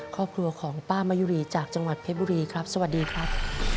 ครอบครัวของป้ามะยุรีจากจังหวัดเพชรบุรีครับสวัสดีครับ